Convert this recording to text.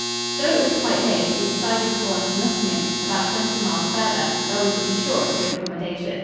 Though it was quite late, we decided to go on to Nottingham, about twenty miles farther, where we could be sure of good accommodation.